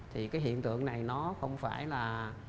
thì cái hiện tượng này nó không phải là